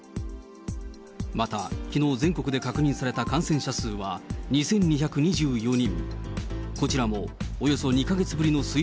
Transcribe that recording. また、きのう全国で確認された感染者数は２２２４人。